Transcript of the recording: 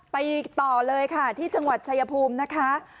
ไปต่อเลยค่ะที่จังหวัดชายภูมินะคะ